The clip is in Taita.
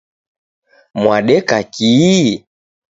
Mwadeka kii?